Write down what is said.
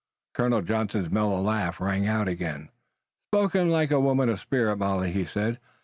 Colonel Johnson's mellow laugh rang out again. "Spoken like a woman of spirit, Molly," he said.